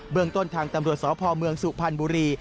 เบื้องต้นทางตำรวจสพสุพันธ์บุรี